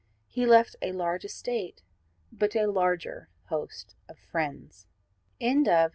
He left a large estate, but a larger host of friends. GEORGE W.